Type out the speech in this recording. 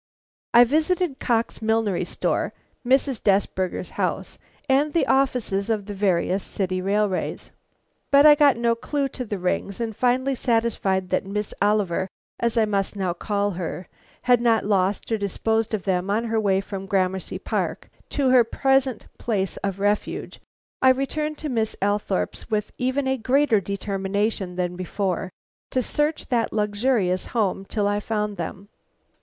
I visited Cox's millinery store, Mrs. Desberger's house, and the offices of the various city railways. But I got no clue to the rings; and finally satisfied that Miss Oliver, as I must now call her, had not lost or disposed of them on her way from Gramercy Park to her present place of refuge, I returned to Miss Althorpe's with even a greater determination than before to search that luxurious home till I found them.